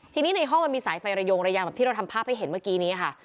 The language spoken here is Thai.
ทีนี้ในห้องมันมีสายไฟระยงระยางแบบที่เราทำภาพให้เห็นเมื่อกี้นี้ค่ะ